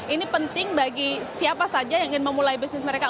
ini penting bagi siapa saja yang ingin memulai bisnis mereka